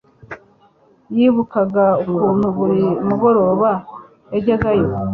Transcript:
Yibukaga ukuntu buri mugoroba yajyagayo